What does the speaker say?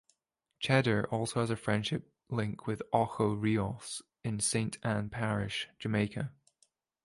Cheddar also has a friendship link with Ocho Rios in Saint Ann Parish, Jamaica.